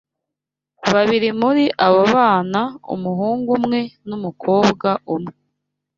Babiri muri abo bana umuhungu umwe n’umukobwa umwe